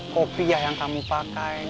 kopiah yang kamu pakai